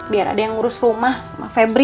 biar ada yang ngurus rumah sama febri